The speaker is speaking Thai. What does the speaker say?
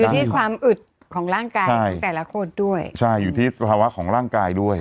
ที่ความอึดของร่างกายของแต่ละคนด้วยใช่อยู่ที่สภาวะของร่างกายด้วย